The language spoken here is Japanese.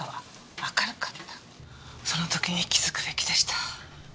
その時に気づくべきでした。